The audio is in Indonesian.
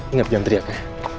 ingat diam teriaknya